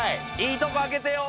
いいとこ開けてよ。